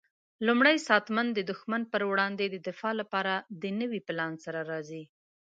لومړی ساتنمن د دښمن پر وړاندې د دفاع لپاره د نوي پلان سره راځي.